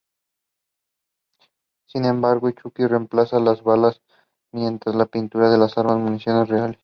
Sin embargo, Chucky reemplaza las balas de pintura de las armas con municiones reales.